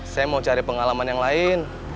saya mau cari pengalaman yang lain